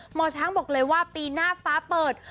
หมอช้างบอกเลยว่าปีหน้าฟ้าเปิด